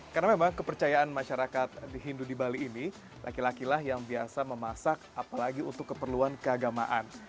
karena memang kepercayaan masyarakat hindu di bali ini laki laki lah yang biasa memasak apalagi untuk keperluan keagamaan